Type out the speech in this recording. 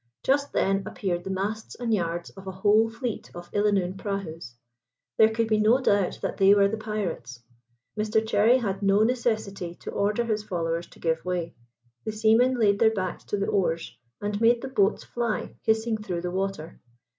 Just then appeared the masts and yards of a whole fleet of Illanoon prahus. There could be no doubt that they were the pirates. Mr Cherry had no necessity to order his followers to give way. The seamen laid their backs to the oars, and made the boats fly hissing through the water.